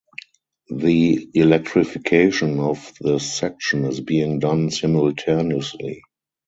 The electrification of the section is being done simultaneously.